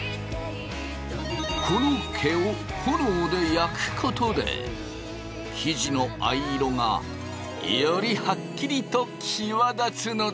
この毛を炎で焼くことで生地の藍色がよりハッキリと際立つのだ！